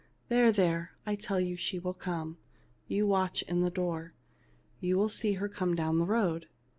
There, there, I tell you she shall come. You watch in the door, and you will see her come down the road."